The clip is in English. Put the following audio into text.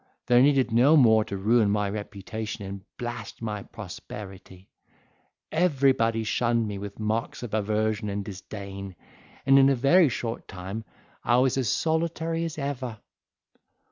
There needed no more to ruin my reputation and blast my prosperity; everybody shunned me with marks of aversion and disdain, and in a very short time I was as solitary as ever.